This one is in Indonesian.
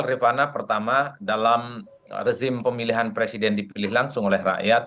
rifana pertama dalam rezim pemilihan presiden dipilih langsung oleh rakyat